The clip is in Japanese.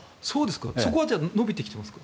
そこは伸びてきてますか？